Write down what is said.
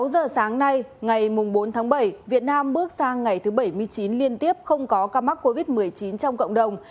sáu giờ sáng nay ngày bốn tháng bảy việt nam bước sang ngày thứ bảy mươi chín liên tiếp không có ca mắc covid một mươi chín trong cộng đồng